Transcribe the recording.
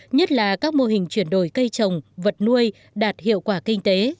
nhất là các mô hình chuyển đổi cây trồng vật nuôi đạt hiệu quả kinh tế